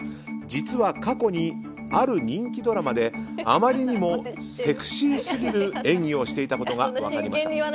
実は過去に、ある人気ドラマであまりにもセクシーすぎる演技をしていたことが分かりました。